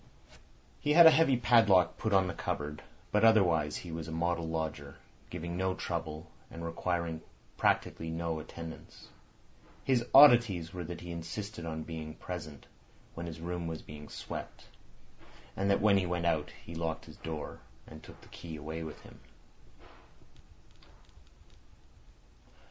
He had a heavy padlock put on the cupboard, but otherwise he was a model lodger, giving no trouble, and requiring practically no attendance. His oddities were that he insisted on being present when his room was being swept, and that when he went out he locked his door, and took the key away with him.